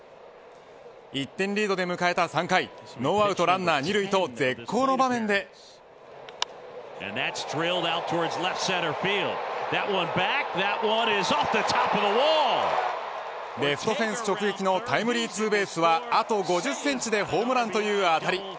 １点リードで迎えた３回ノーアウトランナー２塁と絶好の場面でレフトフェンス直撃のタイムリーツーベースはあと５０センチでホームランという当たり。